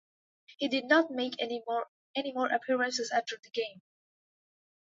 He did not make any more appearances after the game.